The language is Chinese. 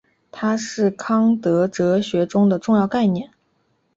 它是康德哲学中的重要概念。